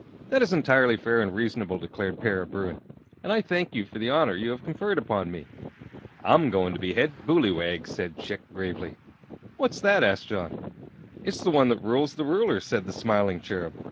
"That is entirely fair and reasonable," declared Para Bruin, "and I thank you for the honor you have conferred upon me." "I'm going to be Head Booleywag," said Chick, gravely. "What's that?" asked John. "It's the one that rules the ruler," said the smiling Cherub.